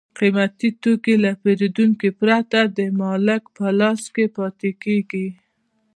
قیمتي توکي له پېرودونکو پرته د مالک په لاس کې پاتې کېږي